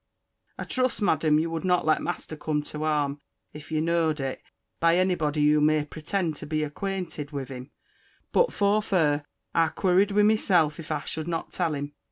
I truste, Maddam, you wulde not let master cum to harme, if you knoed it, by any body who may pretend to be acquented with him: but for fere, I querid with myself if I shulde not tell him.